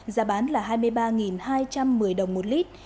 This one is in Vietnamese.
giá bán là hai mươi ba hai trăm một mươi đồng một lít